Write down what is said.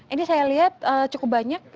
ini saya lihat cukup banyak